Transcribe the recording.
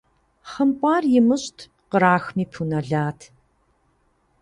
ХъымпIар имыщIт, кърахми пу нэлат.